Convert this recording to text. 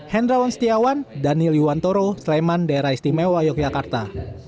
hendrawan setiawan daniel yuwantoro sleman daerah istimewa yogyakarta